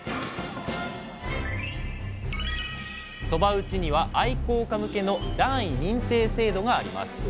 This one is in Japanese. そば打ちには愛好家向けの段位認定制度があります。